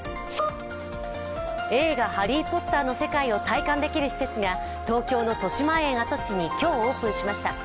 映画「ハリー・ポッター」の世界を体感できる施設が東京のとしまえん跡地に今日オープンしました。